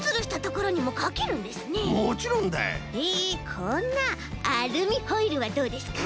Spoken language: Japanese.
こんなアルミホイルはどうですか？